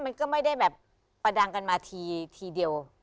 มันก็ไม่ได้แบบประดังกันมาทีเดียว